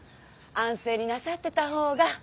安静になさってた方が。